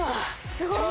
すごい！